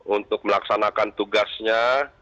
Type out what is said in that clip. untuk melaksanakan tugasnya